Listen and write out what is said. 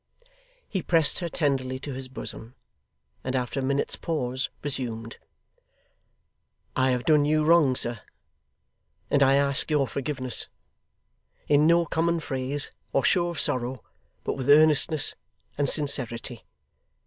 He pressed her tenderly to his bosom, and after a minute's pause, resumed: 'I have done you wrong, sir, and I ask your forgiveness in no common phrase, or show of sorrow; but with earnestness and sincerity.